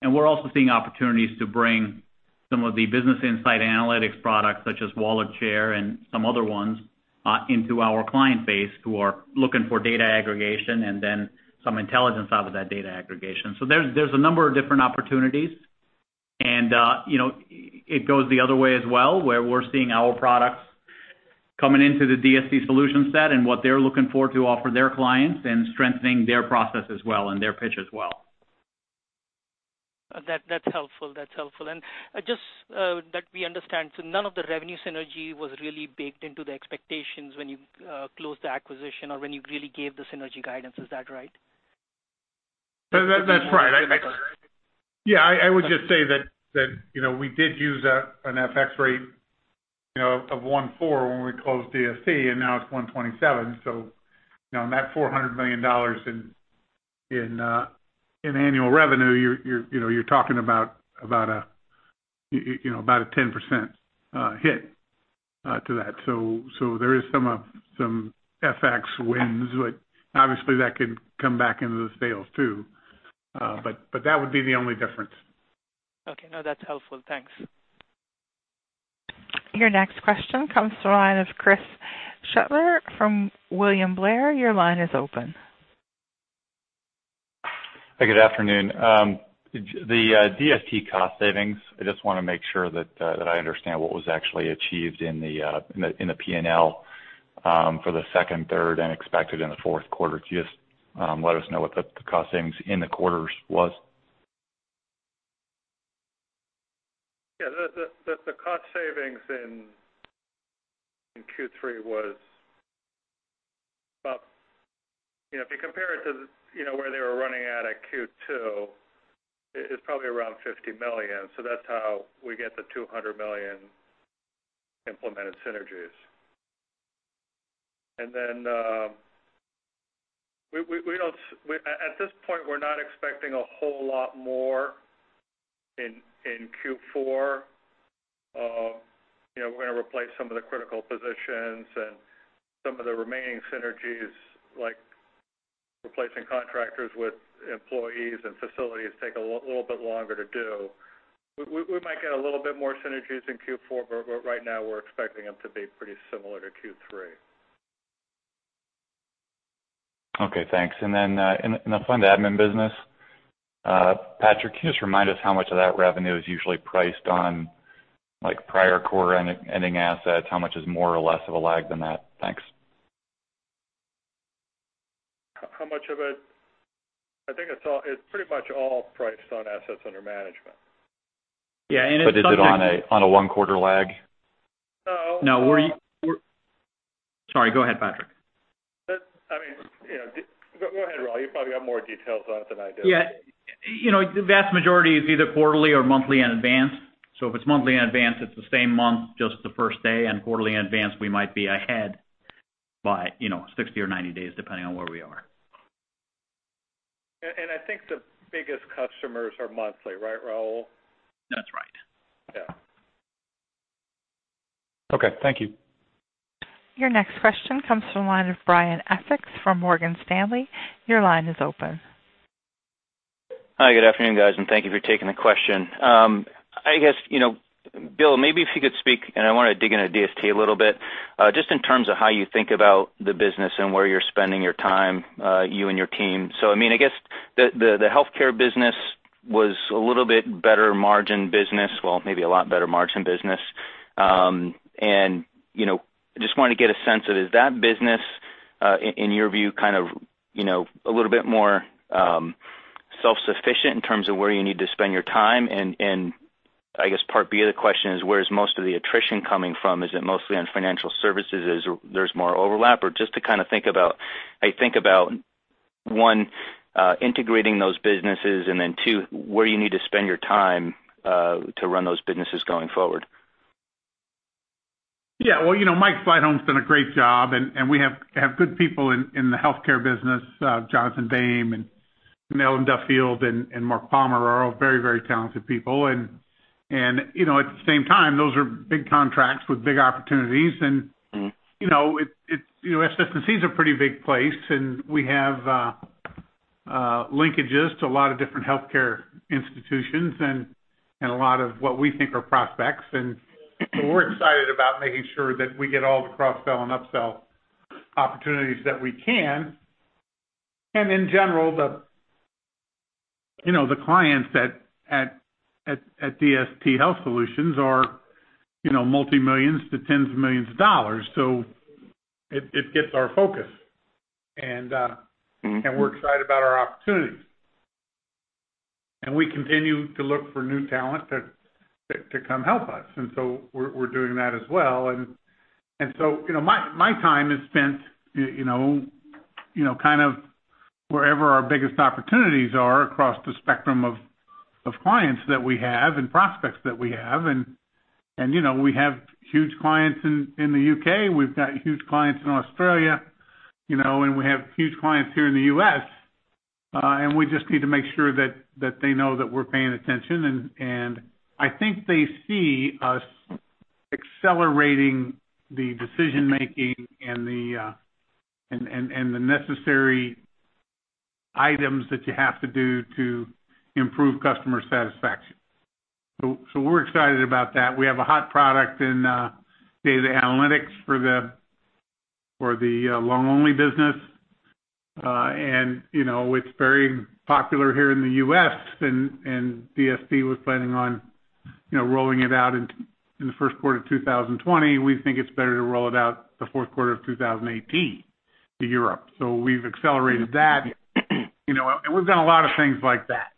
We're also seeing opportunities to bring some of the business insight analytics products, such as WalletShare and some other ones, into our client base who are looking for data aggregation and then some intelligence out of that data aggregation. There's a number of different opportunities. It goes the other way as well, where we're seeing our products coming into the DST solution set and what they're looking for to offer their clients and strengthening their process as well and their pitch as well. That's helpful. Just that we understand, so none of the revenue synergy was really baked into the expectations when you closed the acquisition or when you really gave the synergy guidance, is that right? That's right. Yeah, I would just say that we did use an FX rate of 1.4 when we closed DST, and now it's 1.27. On that $400 million in annual revenue, you're talking about a 10% hit to that. There is some FX wins. Obviously, that could come back into the sales too. That would be the only difference. Okay. No, that's helpful. Thanks. Your next question comes to the line of Chris Shutler from William Blair. Your line is open. Hi, good afternoon. The DST cost savings, I just want to make sure that I understand what was actually achieved in the P&L for the second, third, and expected in the fourth quarter. Could you just let us know what the cost savings in the quarters was? Yeah. The cost savings in Q3 was about. If you compare it to where they were running at Q2, it's probably around $50 million. That's how we get the $200 million implemented synergies. At this point, we're not expecting a whole lot more in Q4. We're going to replace some of the critical positions and some of the remaining synergies, like replacing contractors with employees and facilities take a little bit longer to do. We might get a little bit more synergies in Q4, but right now we're expecting them to be pretty similar to Q3. Okay, thanks. In the fund admin business, Patrick, can you just remind us how much of that revenue is usually priced on prior quarter ending assets? How much is more or less of a lag than that? Thanks. How much of it? I think it's pretty much all priced on assets under management. Yeah, and it's- Is it on a one quarter lag? No. No. Sorry, go ahead, Patrick. Go ahead, Rahul. You probably got more details on it than I do. Yeah. The vast majority is either quarterly or monthly in advance. If it's monthly in advance, it's the same month, just the first day. Quarterly in advance, we might be ahead by 60 or 90 days, depending on where we are. I think the biggest customers are monthly. Right, Rahul? That's right. Yeah. Okay. Thank you. Your next question comes from the line of Brian Essex from Morgan Stanley. Your line is open. Hi. Good afternoon, guys, and thank you for taking the question. Bill, maybe if you could speak, I want to dig into DST a little bit. In terms of how you think about the business and where you're spending your time, you and your team. The healthcare business was a little bit better margin business. Maybe a lot better margin business. Want to get a sense of, is that business, in your view, a little bit more self-sufficient in terms of where you need to spend your time? Part B of the question is, where is most of the attrition coming from? Is it mostly on financial services? There's more overlap? To think about one, integrating those businesses, and then two, where you need to spend your time to run those businesses going forward. Mike Sleightholme's done a great job, and we have good people in the healthcare business. Jonathan Boehm and Ellen Duffield and Mark Palmer are all very talented people. At the same time, those are big contracts with big opportunities. SS&C is a pretty big place, and we have linkages to a lot of different healthcare institutions and a lot of what we think are prospects. We're excited about making sure that we get all the cross-sell and up-sell opportunities that we can. In general, the clients at DST Health Solutions are $multimillions to $tens of millions. It gets our focus. We're excited about our opportunities. We continue to look for new talent to come help us. We're doing that as well. My time is spent wherever our biggest opportunities are across the spectrum of clients that we have and prospects that we have. We have huge clients in the U.K., we've got huge clients in Australia, and we have huge clients here in the U.S., and we just need to make sure that they know that we're paying attention. I think they see us accelerating the decision-making and the necessary items that you have to do to improve customer satisfaction. We're excited about that. We have a hot product in data analytics for the long-only business. It's very popular here in the U.S., and DST was planning on rolling it out in the first quarter of 2020. We think it's better to roll it out the fourth quarter of 2018 to Europe. We've accelerated that. We've done a lot of things like that.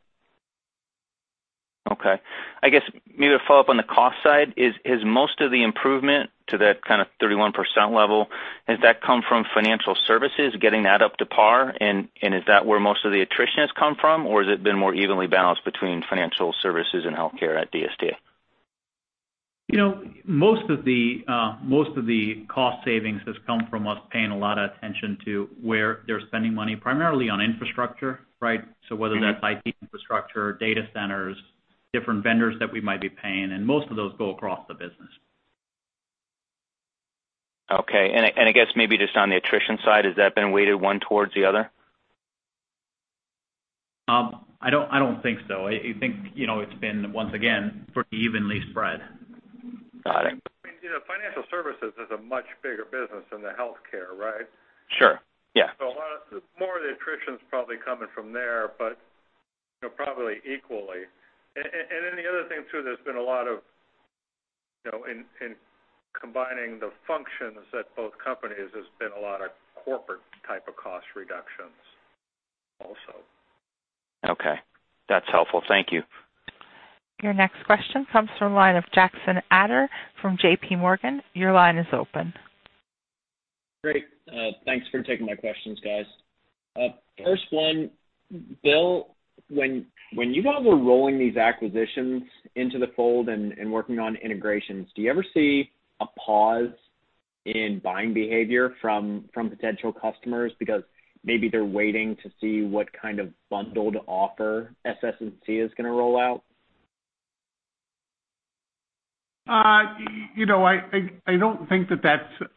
Okay. I guess maybe to follow up on the cost side, is most of the improvement to that kind of 31% level, has that come from financial services, getting that up to par? Is that where most of the attrition has come from, or has it been more evenly balanced between financial services and healthcare at DST? Most of the cost savings has come from us paying a lot of attention to where they're spending money, primarily on infrastructure, right? Whether that's. IT infrastructure, data centers, different vendors that we might be paying, and most of those go across the business. Okay. I guess maybe just on the attrition side, has that been weighted one towards the other? I don't think so. I think it's been, once again, pretty evenly spread. Got it. Financial services is a much bigger business than the healthcare, right? Sure. Yeah. More of the attrition's probably coming from there, but probably equally. The other thing too, there's been a lot of, in combining the functions at both companies, there's been a lot of corporate type of cost reductions also. Okay. That's helpful. Thank you. Your next question comes from the line of Jackson Ader from J.P. Morgan. Your line is open. Great. Thanks for taking my questions, guys. First one, Bill, when you guys were rolling these acquisitions into the fold and working on integrations, do you ever see a pause in buying behavior from potential customers because maybe they're waiting to see what kind of bundled offer SS&C is going to roll out? I don't think that that's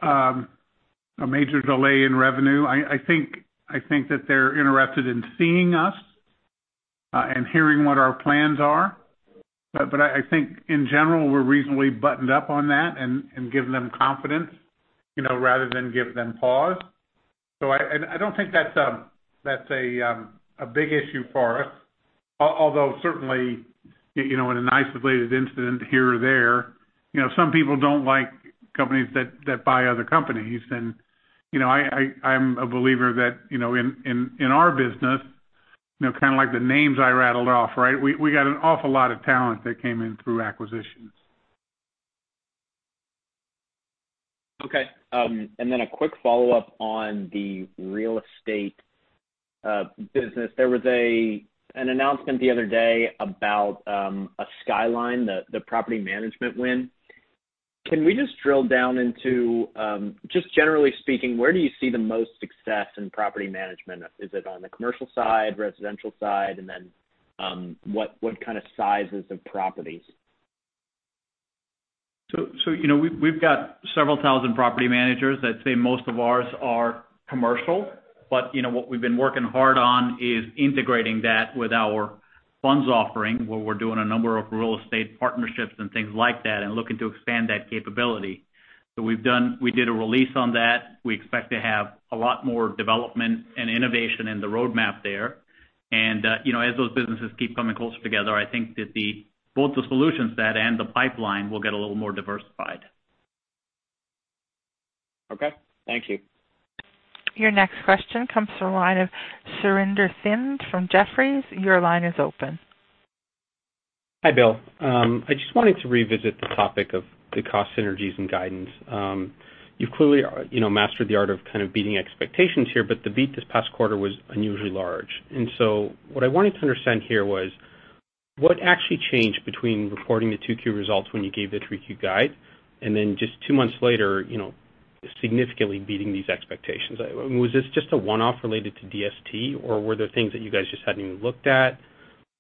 a major delay in revenue. I think that they're interested in seeing us, and hearing what our plans are. I think in general, we're reasonably buttoned up on that and giving them confidence, rather than give them pause. I don't think that's a big issue for us, although certainly, in an isolated incident here or there, some people don't like companies that buy other companies. I'm a believer that in our business, like the names I rattled off, we got an awful lot of talent that came in through acquisitions. Okay. A quick follow-up on the real estate business. There was an announcement the other day about SKYLINE, the property management win. Can we just drill down into, just generally speaking, where do you see the most success in property management? Is it on the commercial side, residential side, and then what kind of sizes of properties? We've got several thousand property managers. I'd say most of ours are commercial, but what we've been working hard on is integrating that with our funds offering, where we're doing a number of real estate partnerships and things like that, and looking to expand that capability. We did a release on that. We expect to have a lot more development and innovation in the roadmap there. As those businesses keep coming closer together, I think that both the solution set and the pipeline will get a little more diversified. Okay. Thank you. Your next question comes from the line of Surinder Thind from Jefferies. Your line is open. Hi, Bill. I just wanted to revisit the topic of the cost synergies and guidance. You've clearly mastered the art of kind of beating expectations here, but the beat this past quarter was unusually large. What I wanted to understand here was, what actually changed between reporting the 2Q results when you gave the 3Q guide, and then just two months later, significantly beating these expectations? Was this just a one-off related to DST, or were there things that you guys just hadn't even looked at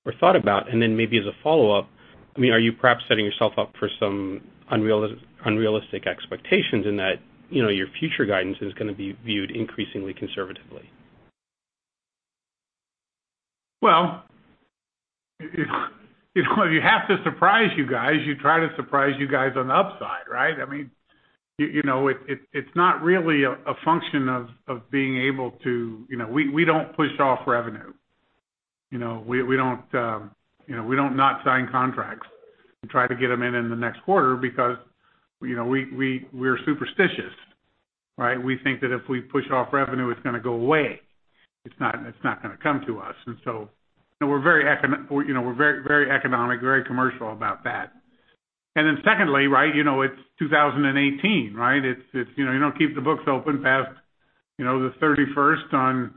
or thought about? Maybe as a follow-up, are you perhaps setting yourself up for some unrealistic expectations in that your future guidance is going to be viewed increasingly conservatively? Well, if you have to surprise you guys, you try to surprise you guys on the upside, right? It's not really a function of being able to We don't push off revenue. We don't not sign contracts and try to get them in in the next quarter because we're superstitious, right? We think that if we push off revenue, it's going to go away. It's not going to come to us. We're very economic, very commercial about that. Secondly, right, it's 2018. You don't keep the books open past the 31st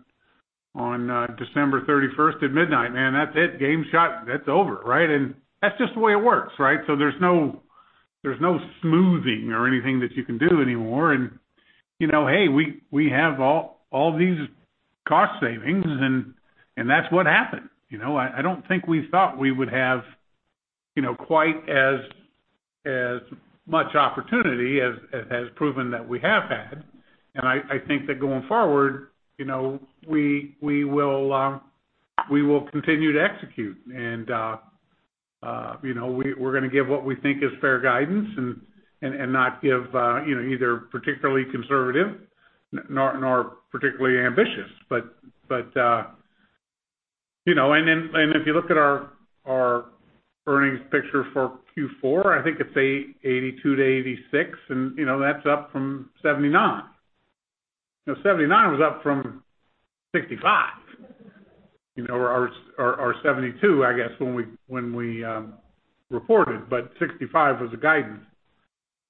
on December 31st at midnight. Man, that's it. Game shut. That's over, right? That's just the way it works, right? There's no smoothing or anything that you can do anymore. Hey, we have all these cost savings, and that's what happened. I don't think we thought we would have quite as much opportunity as has proven that we have had. I think that going forward, we will continue to execute. We're going to give what we think is fair guidance and not give either particularly conservative nor particularly ambitious. If you look at our earnings picture for Q4, I think it's $0.82-$0.86, and that's up from $0.79. Now $0.79 was up from $0.65, or $0.72, I guess, when we reported, but $0.65 was the guidance.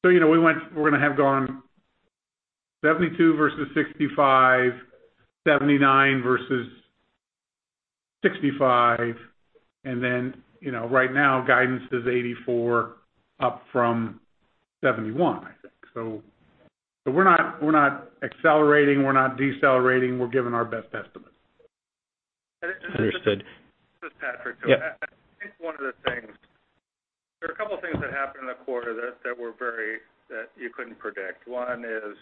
We're going to have gone $0.72 versus $0.65, $0.79 versus $0.65, and then right now, guidance is $0.84, up from $0.71, I think. We're not accelerating, we're not decelerating. We're giving our best estimate. Understood. This is Patrick. Yeah. There are a couple things that happened in the quarter that you couldn't predict. One is,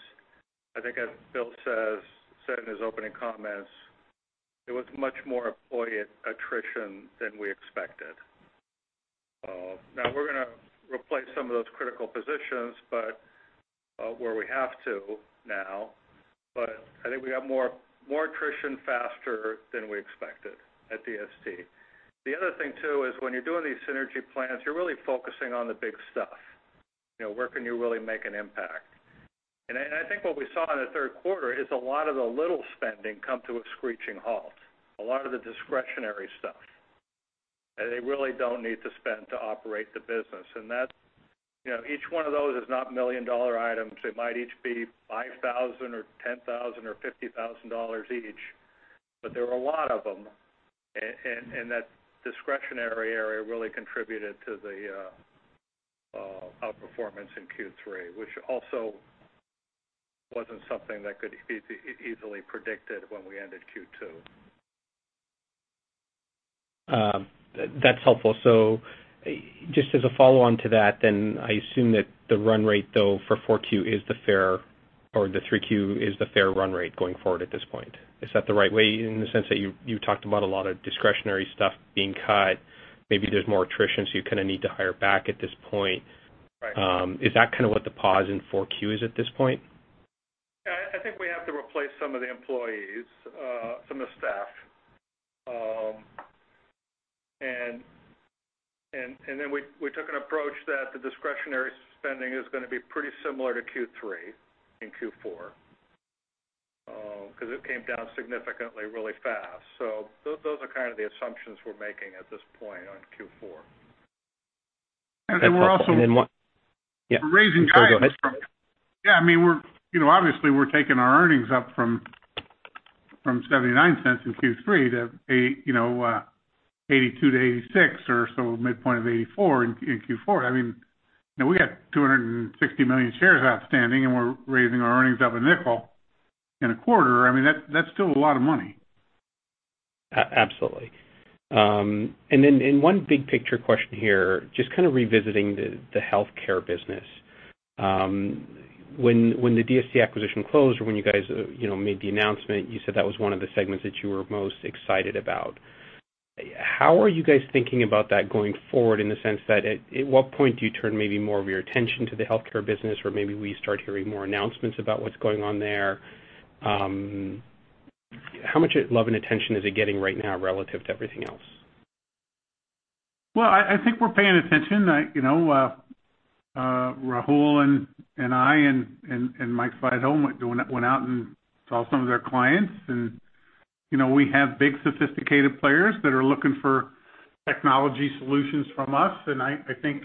I think as Bill said in his opening comments, it was much more employee attrition than we expected. Now we're going to replace some of those critical positions, where we have to now. I think we got more attrition faster than we expected at DST. The other thing, too, is when you're doing these synergy plans, you're really focusing on the big stuff. Where can you really make an impact? I think what we saw in the third quarter is a lot of the little spending come to a screeching halt, a lot of the discretionary stuff that they really don't need to spend to operate the business. Each one of those is not million-dollar items. It might each be $5,000 or $10,000 or $50,000 each. There were a lot of them, and that discretionary area really contributed to the outperformance in Q3, which also wasn't something that could be easily predicted when we ended Q2. That's helpful. Just as a follow-on to that, then I assume that the run rate, though, for 4Q is the fair, or the 3Q is the fair run rate going forward at this point. Is that the right way, in the sense that you talked about a lot of discretionary stuff being cut? Maybe there's more attrition, so you kind of need to hire back at this point. Right. Is that kind of what the pause in 4Q is at this point? I think we have to replace some of the employees, some of the staff. Then we took an approach that the discretionary spending is gonna be pretty similar to Q3 in Q4, because it came down significantly really fast. Those are kind of the assumptions we're making at this point on Q4. That's helpful. Then one- We're also- Yeah. We're raising guidance from I mean, obviously, we're taking our earnings up from $0.79 in Q3 to $0.82-$0.86 or so midpoint of $0.84 in Q4. We got 260 million shares outstanding, we're raising our earnings up $0.05 in a quarter. I mean, that's still a lot of money. Absolutely. One big picture question here, just kind of revisiting the healthcare business. When the DST acquisition closed or when you guys made the announcement, you said that was one of the segments that you were most excited about. How are you guys thinking about that going forward in the sense that at what point do you turn maybe more of your attention to the healthcare business, or maybe we start hearing more announcements about what's going on there? How much love and attention is it getting right now relative to everything else? Well, I think we're paying attention. Rahul and I and Mike Sleightholme went out and saw some of their clients, we have big, sophisticated players that are looking for technology solutions from us. I think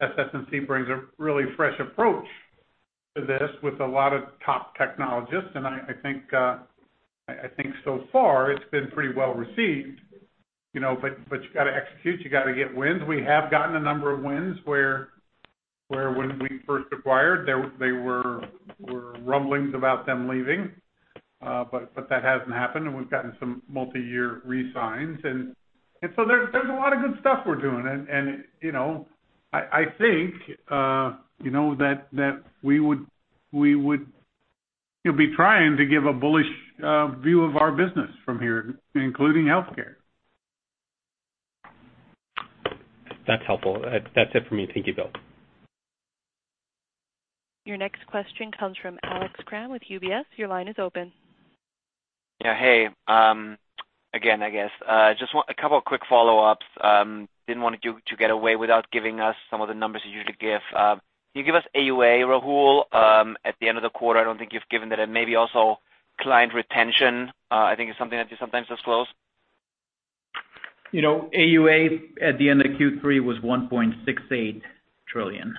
SS&C brings a really fresh approach to this with a lot of top technologists, I think so far it's been pretty well-received. You got to execute, you got to get wins. We have gotten a number of wins where when we first acquired, there were rumblings about them leaving. That hasn't happened, and we've gotten some multi-year re-signs. There's a lot of good stuff we're doing. I think that we would be trying to give a bullish view of our business from here, including healthcare. That's helpful. That's it for me. Thank you, Bill. Your next question comes from Alex Kramm with UBS. Your line is open. Yeah. Hey. Again, I guess, just a couple of quick follow-ups. Didn't want you to get away without giving us some of the numbers you usually give. Can you give us AUA, Rahul, at the end of the quarter? I don't think you've given that, and maybe also client retention, I think is something that you sometimes disclose. AUA at the end of Q3 was $1.68 trillion.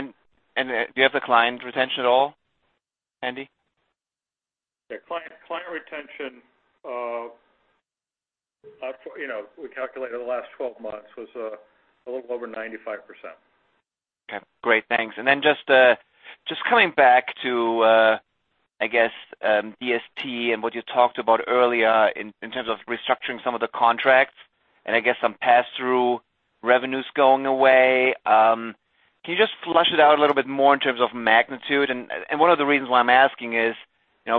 Do you have the client retention at all, Andy? Yeah. Client retention, we calculated the last 12 months was a little over 95%. Okay. Great. Thanks. Just coming back to, I guess DST and what you talked about earlier in terms of restructuring some of the contracts and I guess some pass-through revenues going away. Can you just flesh it out a little bit more in terms of magnitude? One of the reasons why I'm asking is,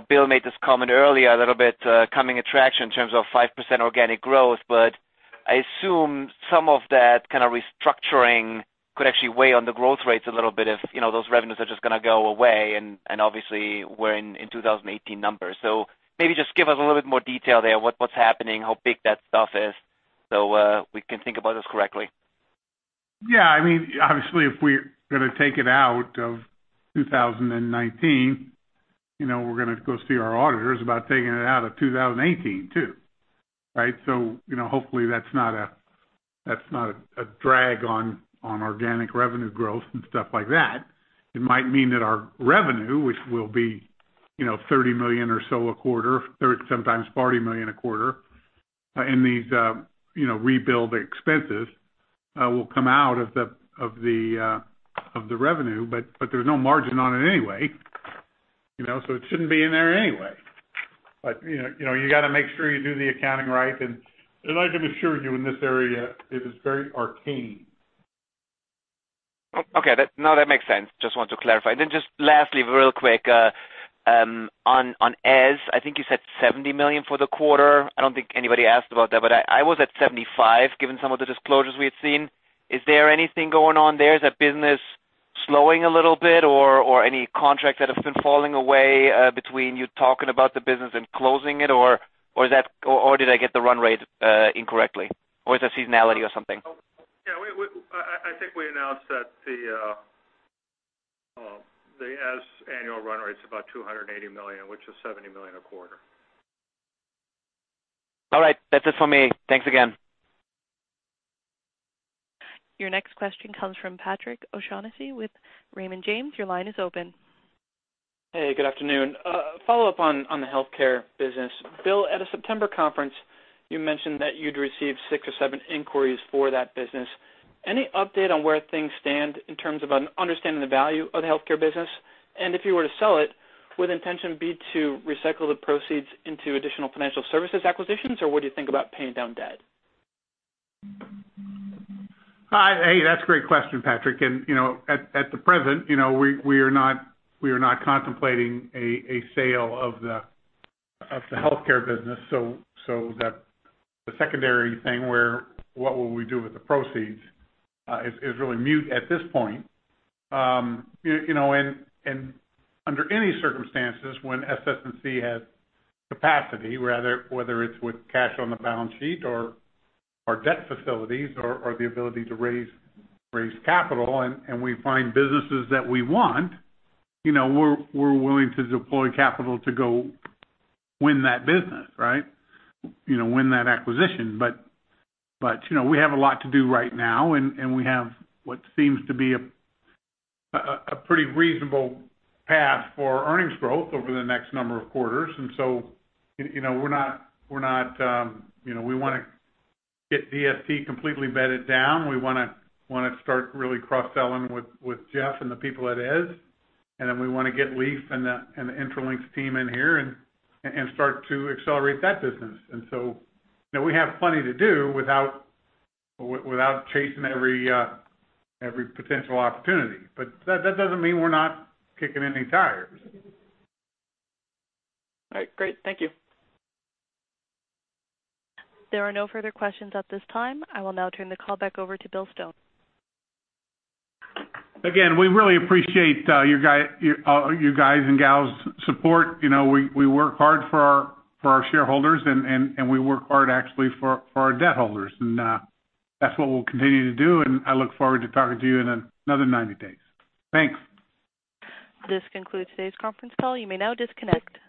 Bill made this comment earlier a little bit, coming attraction in terms of 5% organic growth, but I assume some of that kind of restructuring could actually weigh on the growth rates a little bit if those revenues are just going to go away, and obviously we're in 2018 numbers. Maybe just give us a little bit more detail there, what's happening, how big that stuff is so we can think about this correctly. Yeah. Obviously if we're going to take it out of 2019, we're going to go see our auditors about taking it out of 2018 too, right? Hopefully that's not a drag on organic revenue growth and stuff like that. It might mean that our revenue, which will be $30 million or so a quarter, sometimes $40 million a quarter, in these rebuild expenses will come out of the revenue. There's no margin on it anyway. It shouldn't be in there anyway. You got to make sure you do the accounting right. I can assure you in this area, it is very arcane. Okay. No, that makes sense. Just want to clarify. Just lastly, real quick, on Eze, I think you said $70 million for the quarter. I don't think anybody asked about that, but I was at $75, given some of the disclosures we had seen. Is there anything going on there? Is that business slowing a little bit or any contracts that have been falling away between you talking about the business and closing it, or did I get the run rate incorrectly? Is that seasonality or something? Yeah. I think we announced that the Eze annual run rate's about $280 million, which is $70 million a quarter. All right. That's it for me. Thanks again. Your next question comes from Patrick O'Shaughnessy with Raymond James. Your line is open. Hey, good afternoon. A follow-up on the healthcare business. Bill, at a September conference, you mentioned that you'd received six or seven inquiries for that business. Any update on where things stand in terms of understanding the value of the healthcare business? If you were to sell it, would intention be to recycle the proceeds into additional financial services acquisitions, or would you think about paying down debt? Hey, that's a great question, Patrick. At the present, we are not contemplating a sale of the healthcare business. The secondary thing where what will we do with the proceeds is really mute at this point. Under any circumstances, when SS&C has capacity, whether it's with cash on the balance sheet or our debt facilities or the ability to raise capital, and we find businesses that we want, we're willing to deploy capital to go win that business, win that acquisition. We have a lot to do right now, and we have what seems to be a pretty reasonable path for earnings growth over the next number of quarters. We want to get DST completely bedded down. We want to start really cross-selling with Jeff and the people at Eze. We want to get Leif and the Intralinks team in here and start to accelerate that business. We have plenty to do without chasing every potential opportunity. That doesn't mean we're not kicking any tires. All right. Great. Thank you. There are no further questions at this time. I will now turn the call back over to Bill Stone. Again, we really appreciate your guys' and gals' support. We work hard for our shareholders, and we work hard actually for our debt holders. That's what we'll continue to do, and I look forward to talking to you in another 90 days. Thanks. This concludes today's conference call. You may now disconnect.